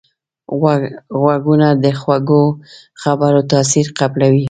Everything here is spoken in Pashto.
غوږونه د خوږو خبرو تاثیر قبلوي